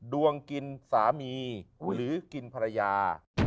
ดวงกินสามีหรือกินภรรยา